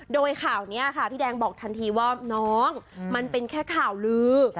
โดยข่าวนี้ค่ะพี่แดงบอกทันทีว่าน้องมันเป็นแค่ข่าวลือ